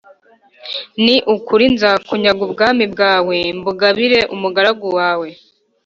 ni ukuri nzakunyaga ubwami bwawe mbugabire umugaragu wawe